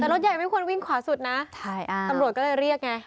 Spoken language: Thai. แต่รถใหญ่ไม่ควรวิ่งขวาสุดนะตำรวจก็เลยเรียกไง